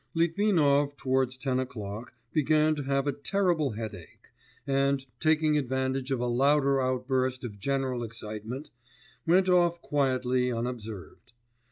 Litvinov, towards ten o'clock, began to have a terrible headache, and, taking advantage of a louder outburst of general excitement, went off quietly unobserved.